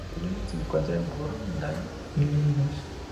Su sede se encuentra en Burr Ridge, Illinois.